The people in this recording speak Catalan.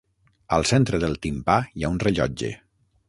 Al centre del timpà hi ha un rellotge.